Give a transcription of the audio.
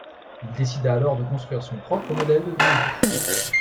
Il décida alors de construire son propre modèle de grande roue.